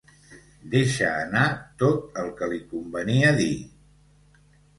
Deixa anar tot el que li convenia dir.